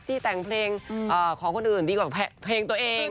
แต่งเพลงของคนอื่นดีกว่าเพลงตัวเอง